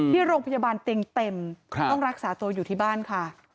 ที่โรงพยาบาลเตียงเต็มต้องรักษาตัวอยู่ที่บ้านค่ะ